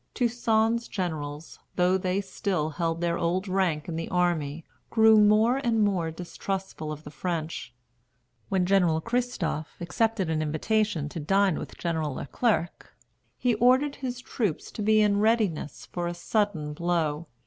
Toussaint's generals, though they still held their old rank in the army, grew more and more distrustful of the French. When General Christophe accepted an invitation to dine with General Le Clerc, he ordered his troops to be in readiness for a sudden blow.